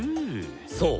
そう。